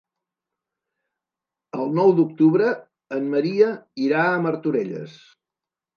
El nou d'octubre en Maria irà a Martorelles.